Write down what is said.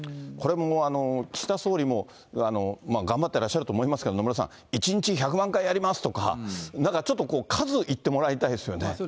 これもう、岸田総理も頑張ってらっしゃると思いますけど、野村さん、１日１００万回やりますとか、なんかちょっと数言ってもらいたいですよね。